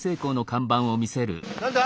何だ？